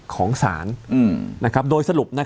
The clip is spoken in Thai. ของศาลนะครับโดยสรุป